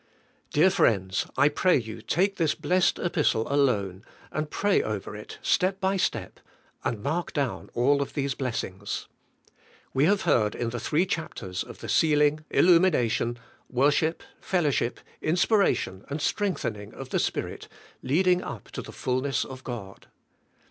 Dear friends, I pray you take this blessed Epistle alone and pray over it step by step, and mark down all of these blessings. We have heard in the three chapters of the sealing, illumination, worship fel lowship, inspiration, and strengthening* of the Spirit leading up to the fullness of God.